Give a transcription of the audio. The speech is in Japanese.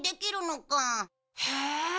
へえ。